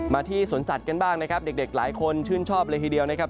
ที่สวนสัตว์กันบ้างนะครับเด็กหลายคนชื่นชอบเลยทีเดียวนะครับ